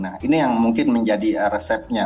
nah ini yang mungkin menjadi resepnya